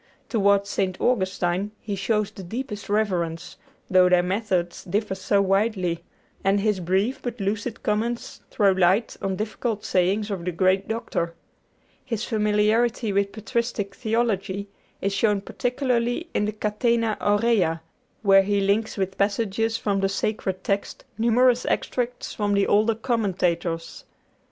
Toward St. Augustine he shows the deepest reverence, though their methods differ so widely, and his brief but lucid comments throw light on difficult sayings of the great Doctor. His familiarity with patristic theology is shown particularly in the 'Catena Aurea,' where he links with passages from the Sacred Text numerous extracts from the older commentators.